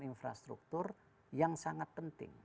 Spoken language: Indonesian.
infrastruktur yang sangat penting